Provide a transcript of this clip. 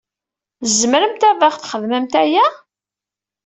Tzemremt ad aɣ-xedmemt aya?